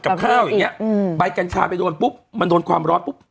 กับข้าวอย่างเงี้อืมใบกัญชาไปโดนปุ๊บมันโดนความร้อนปุ๊บ